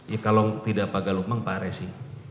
ya kalau tidak pak galukmang pak resi